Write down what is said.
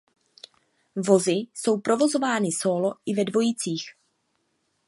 Vozy jsou provozovány sólo i ve dvojicích.